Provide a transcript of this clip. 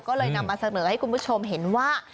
ก็เลยนำมาเสนอให้คุณผู้ชมเห็นว่า